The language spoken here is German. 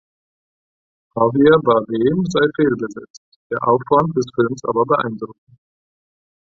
Javier Bardem sei fehlbesetzt, der Aufwand des Films aber beeindruckend.